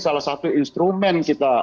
salah satu instrumen kita